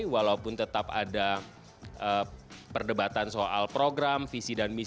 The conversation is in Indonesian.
walaupun tetap ada perdebatan soal program